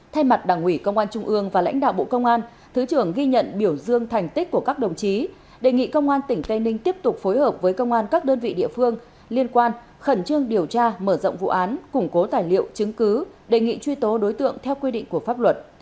thay mặt đảng ủy công an trung ương và lãnh đạo bộ công an thứ trưởng ghi nhận biểu dương thành tích của các đồng chí đề nghị công an tỉnh tây ninh tiếp tục phối hợp với công an các đơn vị địa phương liên quan khẩn trương điều tra mở rộng vụ án củng cố tài liệu chứng cứ đề nghị truy tố đối tượng theo quy định của pháp luật